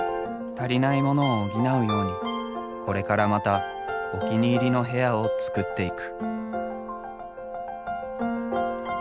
足りないモノを補うようにこれからまたお気に入りの部屋を作っていく。